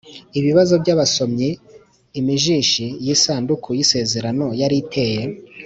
Ibibazo by abasomyi Imijishi y isanduku y isezerano yari iteye